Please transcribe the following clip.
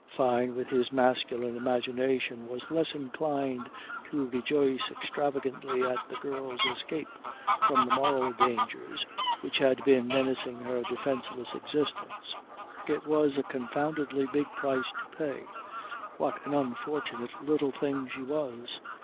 Fyne with his masculine imagination was less inclined to rejoice extravagantly at the girl's escape from the moral dangers which had been menacing her defenceless existence. It was a confoundedly big price to pay. What an unfortunate little thing she was!